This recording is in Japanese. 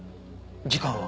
時間は？